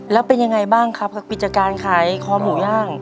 แล้วเป็นยังไงบ้างครับกิจการขายคอหมูย่าง